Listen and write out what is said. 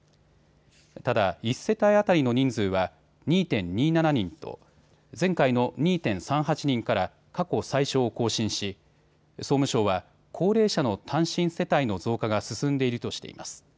ただ、１世帯当たりの人数は２．２７人と前回の２．３８人から過去最少を更新し、総務省は高齢者の単身世帯の増加が進んでいるとしています。